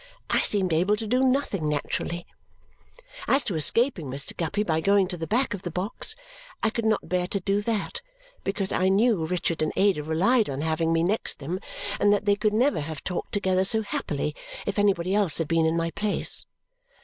I seemed able to do nothing naturally. As to escaping Mr. Guppy by going to the back of the box, I could not bear to do that because I knew Richard and Ada relied on having me next them and that they could never have talked together so happily if anybody else had been in my place.